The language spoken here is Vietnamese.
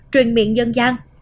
truyền miệng dân gian